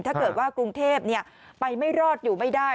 ถ้าเกิดว่ากรุงเทพไปไม่รอดอยู่ไม่ได้